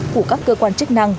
của các cơ quan chức năng